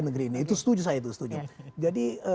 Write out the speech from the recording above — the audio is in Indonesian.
negeri ini itu setuju saya